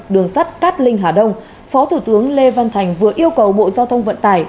đường sắt cát linh hà đông phó thủ tướng lê văn thành vừa yêu cầu bộ giao thông vận tải